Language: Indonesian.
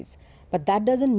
tapi itu tidak berhasil